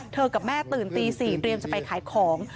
กับแม่ตื่นตี๔เตรียมจะไปขายของ